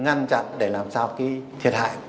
ngăn chặn để làm sao cái thiệt hại